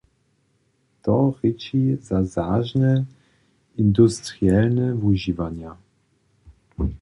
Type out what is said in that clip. To rěči za zažne industrielne wužiwanje.